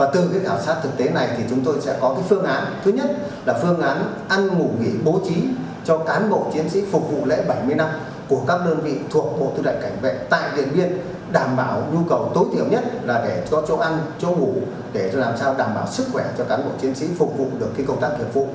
thứ nhất là phương án ăn ngủ nghỉ bố trí cho cán bộ chiến sĩ phục vụ lễ bảy mươi năm của các đơn vị thuộc bộ tư đại cảnh vệ tại điện biên đảm bảo nhu cầu tối tiểu nhất là để cho chỗ ăn chỗ ngủ để làm sao đảm bảo sức khỏe cho cán bộ chiến sĩ phục vụ được công tác thiệt vụ